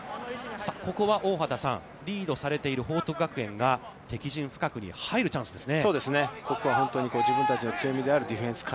さあ、ここは大畑さん、リードされている報徳学園が、敵陣深くに入るチャンスですね。